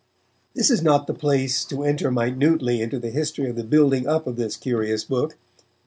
This is not the place to enter minutely into the history of the building up of this curious book.